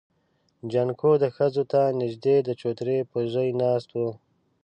جانکو ښځو ته نږدې د چوترې پر ژی ناست و.